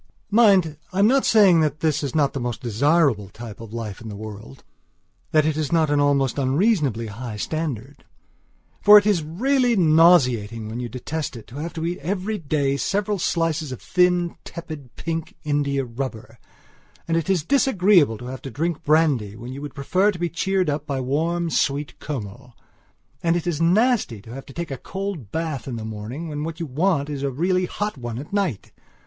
Mind, I am not saying that this is not the most desirable type of life in the world; that it is not an almost unreasonably high standard. For it is really nauseating, when you detest it, to have to eat every day several slices of thin, tepid, pink india rubber, and it is disagreeable to have to drink brandy when you would prefer to be cheered up by warm, sweet Kümmel. And it is nasty to have to take a cold bath in the morning when what you want is really a hot one at night.